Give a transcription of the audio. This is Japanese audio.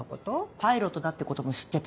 パイロットだってことも知ってたし。